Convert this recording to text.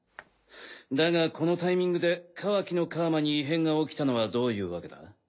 だがこのタイミングでカワキの楔に異変が起きたのはどういうわけだ。